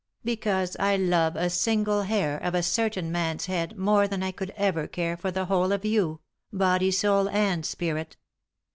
"Because I love a single hair of a certain man's head more than I could ever care for the whole or you — body, soul, and spirit."